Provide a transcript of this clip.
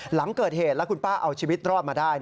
หลังเกิดเหตุแล้วคุณป้าเอาชีวิตรอดมาได้